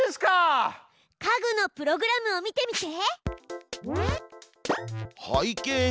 家具のプログラムを見てみて。